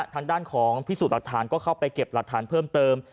ทางด้านของพิสูจน์หลักฐานก็เข้าไปเก็บหลักฐานเพิ่มเติม